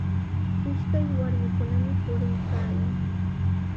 Ishakaq warmikunami puriykaayan.